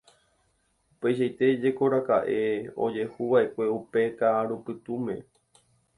Upeichaite jekoraka'e ojehuva'ekue upe ka'arupytũme.